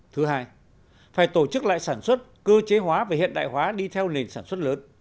thứ hai phải tổ chức lại sản xuất cơ chế hóa và hiện đại hóa đi theo nền sản xuất lớn